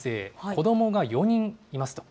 子どもが４人いますと。